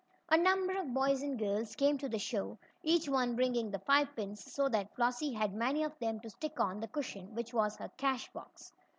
A number of boys and girls came to the show, each one bringing the five pins, so that Flossie had many of them to stick on the cushion which was her cash box.